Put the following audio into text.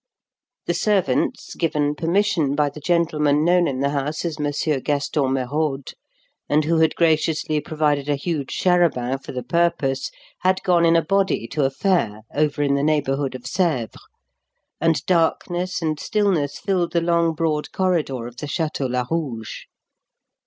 The servants given permission by the gentleman known in the house as Monsieur Gaston Merode, and who had graciously provided a huge char à banc for the purpose had gone in a body to a fair over in the neighbourhood of Sèvres, and darkness and stillness filled the long, broad corridor of the Château Larouge.